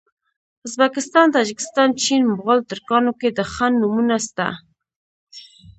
ازبکستان تاجکستان چین مغول ترکانو کي د خان نومونه سته